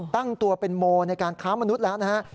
ตั้งตัวเป็นโมในการค้ามนุษย์แล้วนะฮะ